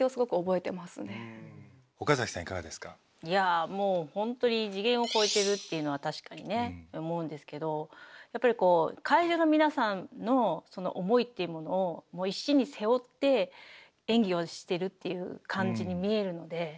いやもう本当に次元を超えてるっていうのは確かにね思うんですけどやっぱりこう会場の皆さんのその思いっていうものを一身に背負って演技をしてるっていう感じに見えるので。